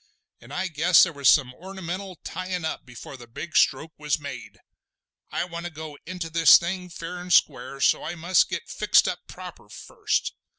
And I guess there was some ornamental tyin' up before the big stroke was made. I want to go into this thing fair and square, so I must get fixed up proper first.